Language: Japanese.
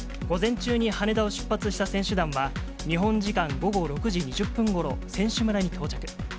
午前中に羽田を出発した選手団は、日本時間午後６時２０分ごろ、選手村に到着。